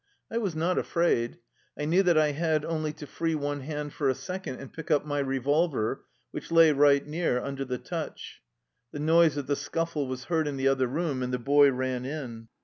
I was not afraid. I knew that I had only to free one hand for a second, and pick up my revolver, which lay right near under the touch. The noise of the scuffle was heard in the other room, and the boy ran in.